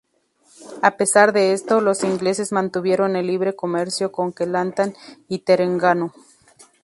A pesar de esto, los ingleses mantuvieron el libre comercio con Kelantan y Terengganu.